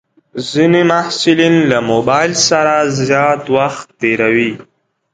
ځینې محصلین له موبایل سره زیات وخت تېروي.